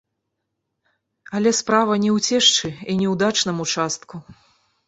Але справа не ў цешчы і не ў дачным участку.